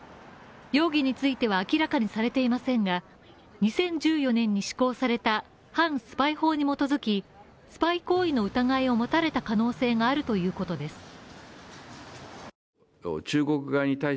容疑については明らかにされていませんが、２０１４年に施行された反スパイ法に基づきスパイ行為の疑いを持たれた可能性があるということです。